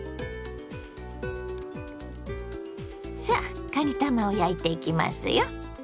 さあかにたまを焼いていきますよ。